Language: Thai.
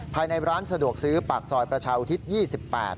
ภายในร้านสะดวกซื้อปากซอยประชาอุทิศ๒๘